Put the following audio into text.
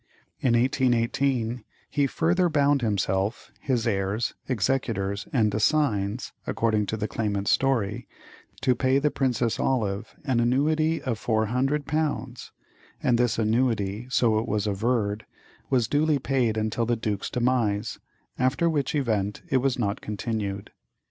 In 1818 he further bound himself, his heirs, executors, and assigns (according to the claimant's story), to pay the Princess Olive an annuity of four hundred pounds; and this annuity, so it was averred, was duly paid until the Duke's demise, after which event it was not continued.